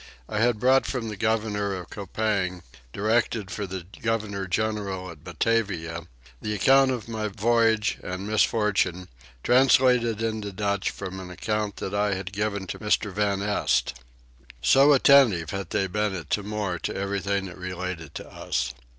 I had brought from the governor of Coupang, directed for the governor general at Batavia, the account of my voyage and misfortune, translated into Dutch from an account that I had given to Mr. van Este. So attentive had they been at Timor to everything that related to us.